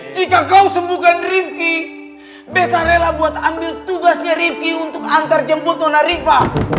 jika kau sembuhkan rivki beta rela buat ambil tugasnya rivki untuk antar jemput nona riva